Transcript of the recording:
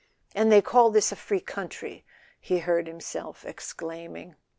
"And they call this a free country!" he heard himself exclaiming.